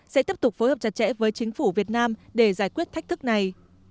sẽ tiếp tục phối hợp chặt chẽ với chính phủ việt nam để giải quyết thách thức này